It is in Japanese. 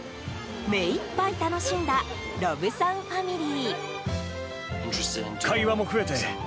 めいっぱい楽しんだロブさんファミリー。